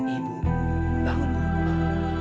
ibu bangun dulu